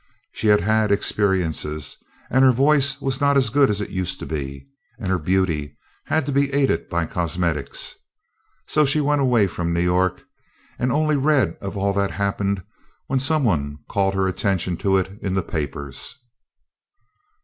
She had had experiences, and her voice was not as good as it used to be, and her beauty had to be aided by cosmetics. So she went away from New York, and only read of all that happened when some one called her attention to it in the papers.